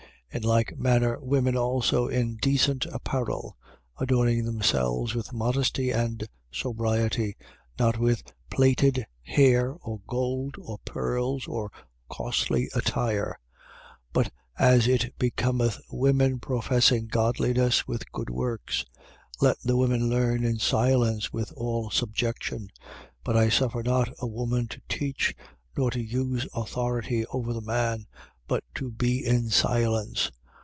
2:9. In like manner, women also in decent apparel: adorning themselves with modesty and sobriety, not with plaited hair, or gold, or pearls, or costly attire: 2:10. But, as it becometh women professing godliness, with good works. 2:11. Let the woman learn in silence with all subjection. 2:12. But I suffer not a woman to teach, nor to use authority over the man: but to be in silence.